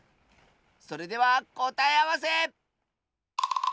それではこたえあわせ！